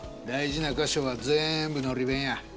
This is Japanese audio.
大事な箇所は全部のり弁や。